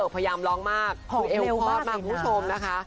พยายามร้องมากคือเอวคลอดมากคุณผู้ชมนะคะ